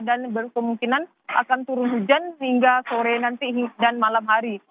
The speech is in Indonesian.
berkemungkinan akan turun hujan hingga sore nanti dan malam hari